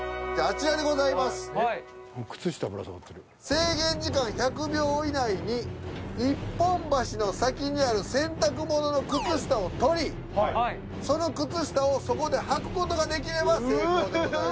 制限時間１００秒以内に一本橋の先にある洗濯物の靴下を取りその靴下をそこではくことができれば成功でございます。